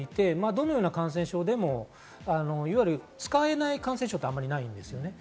どのような感染症でも、使えない感染症って、あまりないです。